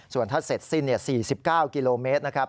ส่วนถ้าเสร็จสิ้น๔๙กิโลเมตรนะครับ